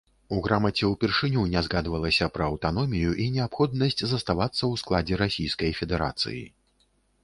У грамаце ўпершыню не згадвалася пра аўтаномію і неабходнасць заставацца ў складзе расійскай федэрацыі.